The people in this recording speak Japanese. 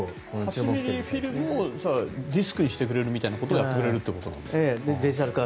８ｍｍフィルムをディスクにしてくれるみたいなことをやってくれるってことなんだ。